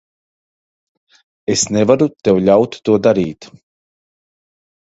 Es nevaru tev ļaut to darīt.